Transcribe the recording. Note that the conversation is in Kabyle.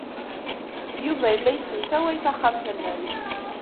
Yuba yella yessemsaway taxxamt-nnes.